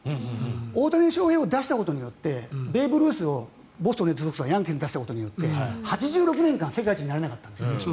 大谷翔平を出したことによってベーブ・ルースをレッドソックスからヤンキースに出したことによって８６年間世界一になれなかったんです。